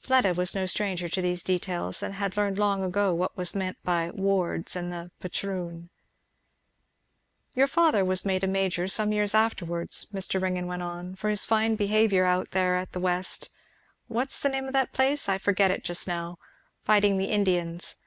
Fleda was no stranger to these details and had learned long ago what was meant by 'wards' and 'the patroon.' "Your father was made a major some years afterwards," Mr. Ringgan went on, "for his fine behaviour out here at the West what's the name of the place? I forget it just now fighting the Indians.